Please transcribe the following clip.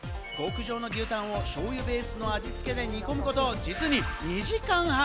極上の牛タンを醤油ベースの味つけで煮込むこと実に２時間半。